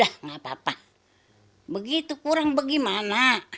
kata pak rodiah